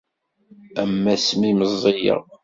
Am wasmi i meẓẓiyeɣ.